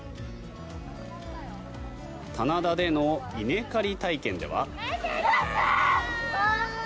棚田での稲刈り体験では。